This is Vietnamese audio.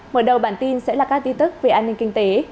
mở đầu bản tin sẽ là các tin tức về an ninh kinh tế